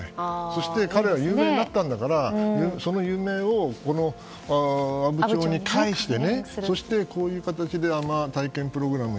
そしたら彼は有名になったんだからその有名さを阿武町に返してそしてこういう形で海士体験プログラム